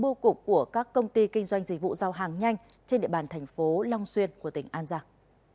ghi nhận của phóng viên tại một số bưu cục của các công ty kinh doanh dịch vụ giao hàng nhanh trên địa bàn thành phố long xuyên của tỉnh an giang